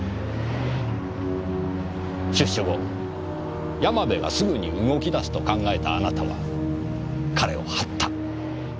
出所後山部がすぐに動き出すと考えたあなたは彼を張った。